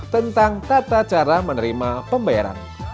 tentang tata cara menerima pembayaran